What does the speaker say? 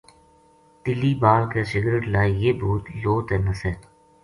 تِلی بال کے سگرٹ لائی یہ بھوت لو تے نسے۔